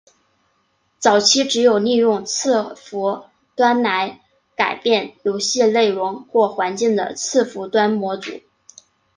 早期只有利用伺服端来改变游戏内容或环境的伺服端模组。